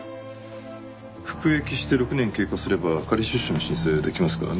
服役して６年経過すれば仮出所の申請できますからね。